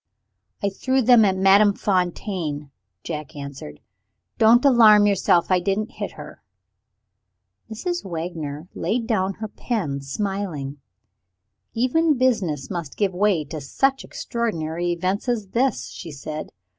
"I threw them at Madame Fontaine," Jack answered. "Don't alarm yourself. I didn't hit her." Mrs. Wagner laid down her pen, smiling. "Even business must give way to such an extraordinary event as this," she said.